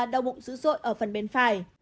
đau bụng dữ dội ở phần bên phải